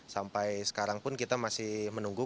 sampai sekarang pun kita masih menunggu